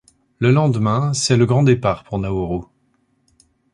Le lendemain, c'est le grand départ pour Nauru.